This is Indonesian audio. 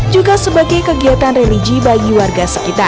juga sebagai kegiatan religi bagi warga sekitar